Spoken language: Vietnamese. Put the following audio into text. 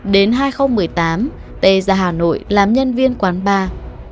đến hai nghìn một mươi tám t ra hà nội làm nhân viên quán bar